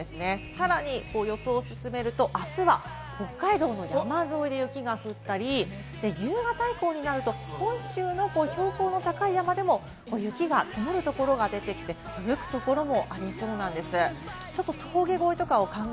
さらに予想を進めると、あすは北海道も山沿いで雪が降ったり、夕方以降になると、本州の標高の高い山でも雪が積もるところが出「エアジェット除菌ＥＸ」ならピンク汚れ予防も！